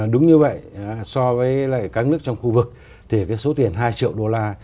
đúng như vậy so với các nước trong khu vực thì số tiền hai triệu đô la